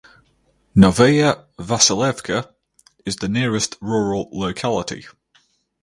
Novaya Vasilyevka is the nearest rural locality.